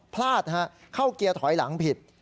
พลาดเข้าเกียร์ถอยหลังผิด